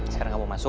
sekarang kamu masuk